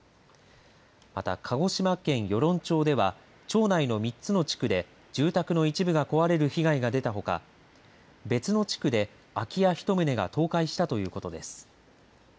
また、鹿児島県与論町では町内の３つの地区で住宅の一部が壊れる被害が出たほか別の地区で空き家１棟が倒壊したということです。